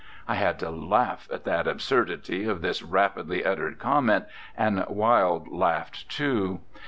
I had to laugh at the absurdity of this rapidly uttered comment, and Wilde laughed too.